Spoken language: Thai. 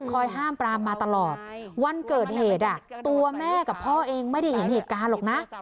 ห้ามปรามมาตลอดวันเกิดเหตุตัวแม่กับพ่อเองไม่ได้เห็นเหตุการณ์หรอกนะ